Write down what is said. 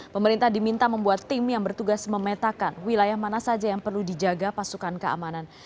pemerintah diminta membuat tim yang bertugas memetakan wilayah mana saja yang perlu dijaga pasukan keamanan